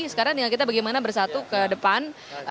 sekarang tinggal kita bagaimana bersatu ke depan